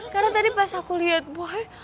karena tadi pas aku lihat boy